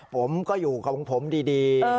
ผมก็อยู่ของผมดี